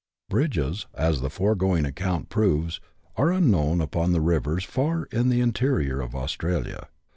Bridges, as the foregoing account proves, are unknown upon the rivers far in the interior of Australia.